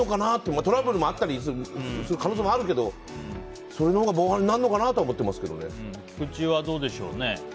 トラブルもあったりする可能性もあるけどそれのほうが防犯になるのかなと菊地はどうでしょうね。